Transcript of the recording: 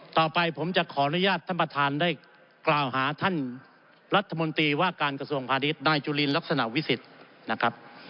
ต่อไปผมจะขออนุญาตท่านประธานได้กล่าวหาท่านรัฐมนตรีว่าการกระทรวงพาณิชย์นายจุลินลักษณะวิสิทธิ์นะครับ